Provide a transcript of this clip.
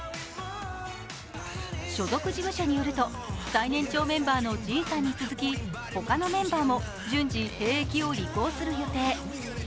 所属事務所によると、最年長メンバーのＪＩＮさんに続き、他のメンバーも順次兵役を履行する予定。